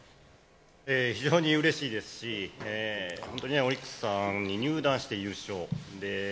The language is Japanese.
非常にうれしいですし去年、オリックスに入団して優勝